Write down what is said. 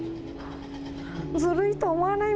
ずるいと思わない？